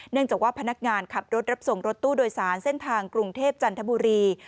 จากว่าพนักงานขับรถรับส่งรถตู้โดยสารเส้นทางกรุงเทพจันทบุรี